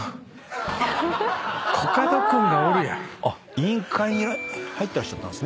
委員会に入ってらっしゃったんですね。